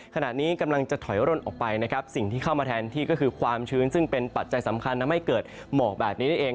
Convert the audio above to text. ขณะนี้กำลังจะถอยร่นออกไปนะครับสิ่งที่เข้ามาแทนที่ก็คือความชื้นซึ่งเป็นปัจจัยสำคัญทำให้เกิดหมอกแบบนี้นั่นเอง